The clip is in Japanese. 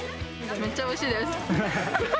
めっちゃおいしいです。